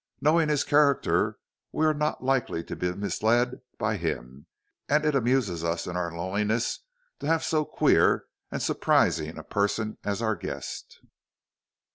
Knowing his character, we are not likely to be misled by him, and it amuses us in our loneliness to have so queer and surprising a person as our guest.